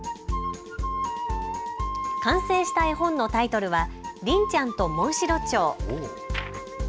完成した絵本のタイトルはりんちゃんとモンシロチョウ。